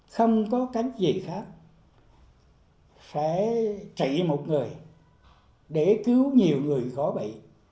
không có cách gì khác sẽ trị một người để cứu nhiều người có bị